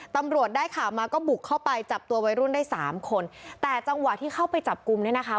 ตำรวจได้ข่าวมาก็บุกเข้าไปจับตัววัยรุ่นได้สามคนแต่จังหวะที่เข้าไปจับกลุ่มเนี่ยนะคะ